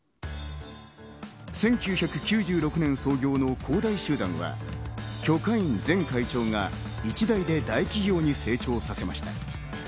１９９６年創業の恒大集団はキョ・カイン前会長が１代で大企業に成長させました。